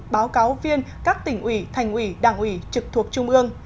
báo cáo viên các tỉnh ủy thành ủy đảng ủy trực thuộc trung ương